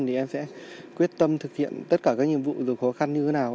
thì em sẽ quyết tâm thực hiện tất cả các nhiệm vụ rồi khó khăn như thế nào